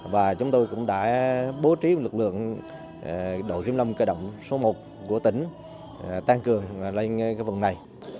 và chúng tôi cũng đã bố trí lực lượng đội kiểm lâm cơ động số một của tỉnh tăng cường lên vùng này